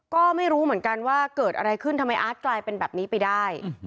ก็ไม่รู้เหมือนกันว่าเกิดอะไรขึ้นทำไมอาร์ตกลายเป็นแบบนี้ไปได้